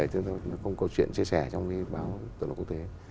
chúng tôi không có chuyện chia sẻ trong cái báo tổng thống quốc tế